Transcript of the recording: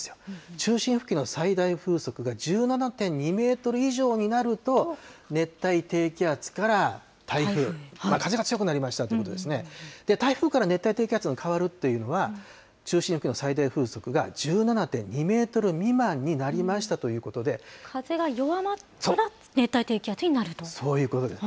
中心付近の最大風速が１７．２メートル以上になると、熱帯低気圧から台風、風が強くなりましたっていうことですね、台風から熱帯低気圧に変わるっていうのは、中心付近の最大風速が１７．２メートル未満に風が弱まったら、熱帯低気圧そういうことです。